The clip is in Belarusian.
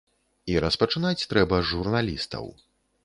І распачынаць трэба з журналістаў.